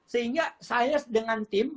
sehingga saya dengan tim